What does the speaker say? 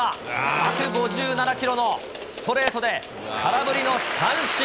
１５７キロのストレートで空振りの三振。